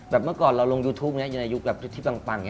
เมื่อก่อนเราลงยูทูปไงอยู่ในยุคแบบที่ปัง